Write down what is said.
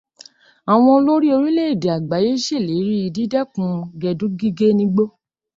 Àwọn olórí orílẹ̀èdè àgbáyé ṣèlérí dídẹ́kun gẹdú gígé nígbó.